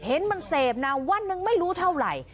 เห็นมันเสพนะวันหนึ่งไม่รู้เท่าไหร่